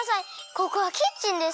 ここはキッチンです。